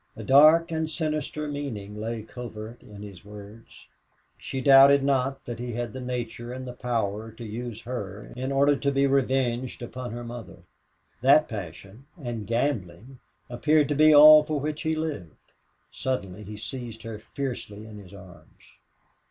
A dark and sinister meaning lay covert in his words. She doubted not that he had the nature and the power to use her in order to be revenged upon her mother. That passion and gambling appeared to be all for which he lived. Suddenly he seized her fiercely in his arms.